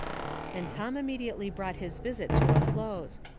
And Tom immediately brought his visit to a close.